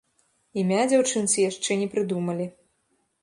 Імя дзяўчынцы яшчэ не прыдумалі.